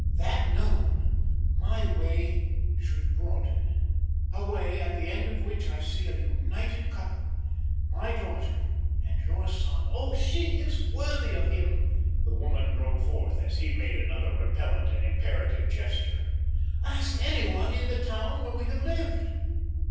That known, my way should broaden; a way, at the end of which I see a united couple my daughter and your son. Oh, she is worthy of him " the woman broke forth, as he made another repellent and imperative gesture. "Ask any one in the town where we have lived."